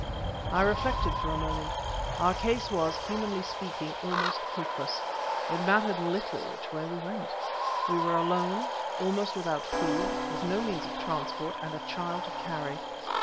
I reflected for a moment, Our case was, humanly speaking, almost hopeless. It mattered little which way we went. We were alone, almost without food, with no means of transport, and a child to carry.